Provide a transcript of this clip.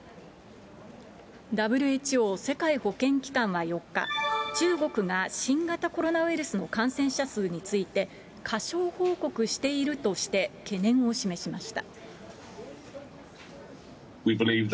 ＷＨＯ・世界保健機関は４日、中国が新型コロナウイルスの感染者数について、過小報告しているとして、懸念を示しました。